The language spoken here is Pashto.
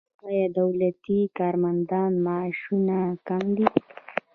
آیا د دولتي کارمندانو معاشونه کم دي؟